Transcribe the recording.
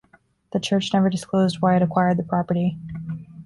The church never disclosed why it acquired the property.